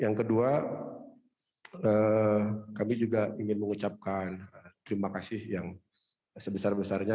yang kedua kami juga ingin mengucapkan terima kasih yang sebesar besarnya